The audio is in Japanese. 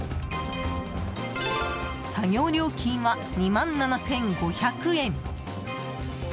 作業料金は２万７５００円。